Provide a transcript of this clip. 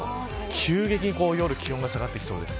急激に夜、気温が下がってきそうです。